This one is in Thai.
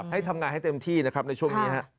ให้ทำงานให้เต็มที่นะครับในช่วงนี้